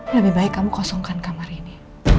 lebih baik kamu kosongkan kamar ini